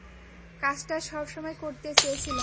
কাজটা সবসময় করতে চেয়েছিলাম।